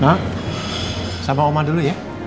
bang sama oma dulu ya